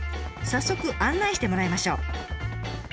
早速案内してもらいましょう。